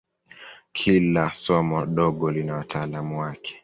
Kila somo dogo lina wataalamu wake.